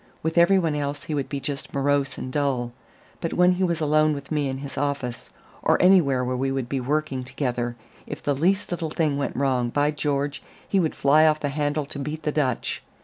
With everyone else he would be just morose and dull; but when he was alone with me in his office, or anywhere where we would be working together, if the least little thing went wrong, by George! he would fly off the handle to beat the Dutch.